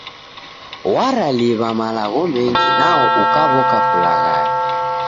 Waraliw'a malagho mengi nao ukaw'oka kulaghaya.